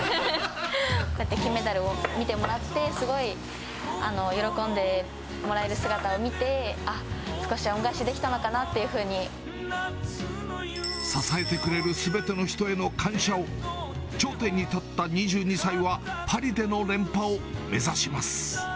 こうやって金メダルを見てもらって、すごい喜んでもらえる姿を見て、あっ、少しは恩返しできたのかなっていうふうに。支えてくれるすべての人への感謝を、頂点に立った２２歳は、パリでの連覇を目指します。